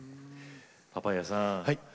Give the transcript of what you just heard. パパイヤさん。